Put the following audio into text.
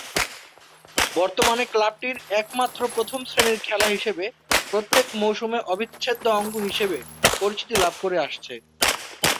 বর্তমানে ক্লাবটির একমাত্র প্রথম-শ্রেণীর খেলা হিসেবে প্রত্যেক মৌসুমে অবিচ্ছেদ্য অঙ্গ হিসেবে পরিচিতি লাভ করে আসছে।